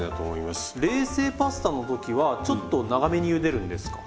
冷製パスタの時はちょっと長めにゆでるんですか？